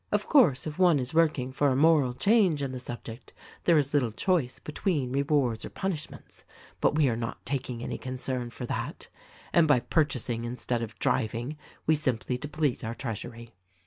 Of course, if one is working for a moral change in the subject, there is little choice between rewards or punishments ; but we are not taking any concern for that — and fey purchasing instead of driving we simplv deplete our treasury.